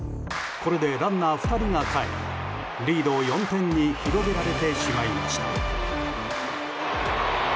これでランナー２人がかえりリードを４点に広げられてしまいました。